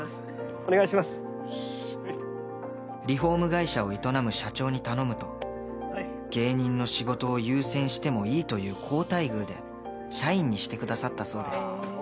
［リフォーム会社を営む社長に頼むと芸人の仕事を優先してもいいという高待遇で社員にしてくださったそうです］